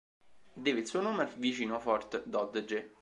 Deve il suo nome al vicino Fort Dodge.